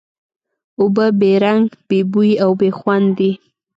اوبه بې رنګ، بې بوی او بې خوند دي.